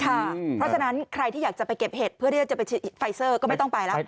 เพราะฉะนั้นใครที่อยากจะไปเก็บเห็ดเพื่อที่จะไปไฟเซอร์ก็ไม่ต้องไปแล้ว